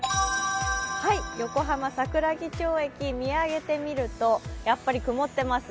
横浜、桜木町駅見上げてみると、やっぱり曇ってますね